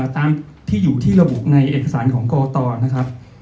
ตามที่อยู่ที่ระบุในเอกสารของกตนะครับ